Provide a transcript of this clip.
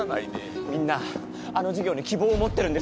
みんなあの事業に希望を持ってるんです！